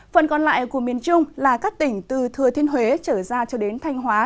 phần còn lại của miền trung là các tỉnh từ thừa thiên huế trở ra cho đến thanh hóa